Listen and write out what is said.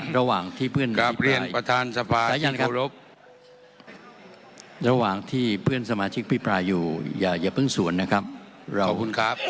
ต้องมีมารยาทนะครับอย่าระหว่างที่เพื่อนสมาชิกพี่ปลายอยู่อย่าเพิ่งส่วนนะครับ